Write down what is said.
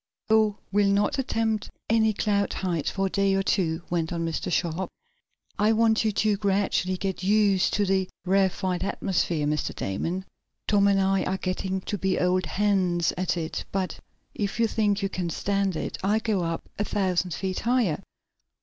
"Oh, we'll not attempt any cloud heights for a day or two," went on Mr. Sharp. "I want you, to gradually get used to the rarefied atmosphere, Mr. Damon. Tom and I are getting to be old hands at it. But, if you think you can stand it, I'll go up about a thousand feet higher."